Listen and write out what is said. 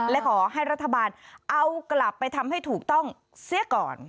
และขอให้รัฐบาลเอากลับไปทำให้ถูกต้องเสียก่อน